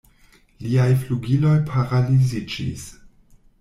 Liaj flugiloj paraliziĝis.